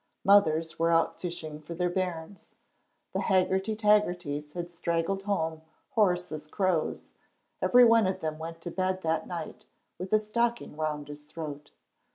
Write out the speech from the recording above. Mothers were out fishing for their bairns. The Haggerty Taggertys had straggled home hoarse as crows; every one of them went to bed that night with a stocking round his throat.